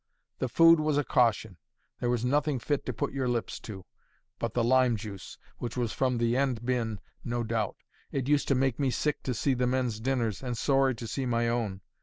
The food was a caution; there was nothing fit to put your lips to but the lime juice, which was from the end bin no doubt: it used to make me sick to see the men's dinners, and sorry to see my own.